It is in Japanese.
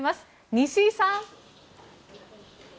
西井さん。